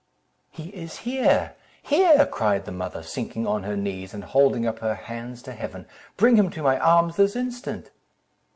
"He is here—here!" cried the mother, sinking on her knees, and holding up her hands to Heaven; "bring him to my arms this instant."